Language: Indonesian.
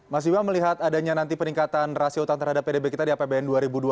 mas bima melihat adanya nanti peningkatan rasio utang terhadap pdb kita di apbn dua ribu dua puluh